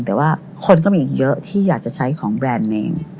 แต่ว่าคนก็มีอีกเยอะที่อยากจะใช้ของแบรนด์เนม